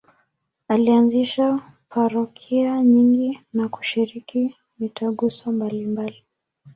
Alianzisha parokia nyingi na kushiriki mitaguso mbalimbali.